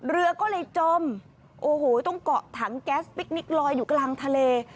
เรือก็เลยจมโอ้โหต้องเกาะถังแก๊สพิคนิคลอยอยู่กลางทะเล